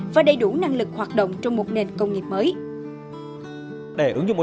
và đầy đủ năng lực hoạt động trong một nền công nghiệp mới